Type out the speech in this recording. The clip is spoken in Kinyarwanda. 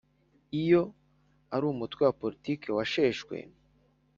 Iyo ari umutwe wa politiki washeshwe